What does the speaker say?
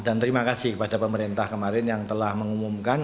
terima kasih kepada pemerintah kemarin yang telah mengumumkan